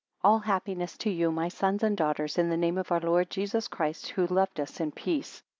ALL happiness to you my sons and daughters, in the name of our Lord Jesus Christ, who loved us, in peace.